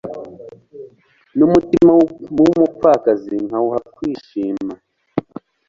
n'umutima w'umupfakazi nkawuha kwishima